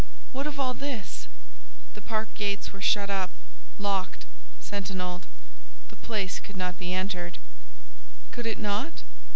What of all this? The park gates were shut up, locked, sentinelled: the place could not be entered. Could it not?